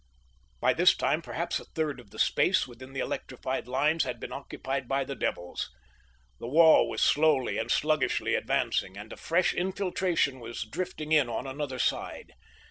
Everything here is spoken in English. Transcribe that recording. By this time perhaps a third of the space within the electrified lines had been occupied by the devils. The wall was slowly and sluggishly advancing, and a fresh infiltration was drifting in on another side.